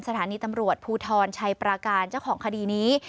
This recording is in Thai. สถานีตำรวจภูทรชัยปราการเจ้าของคดีนี้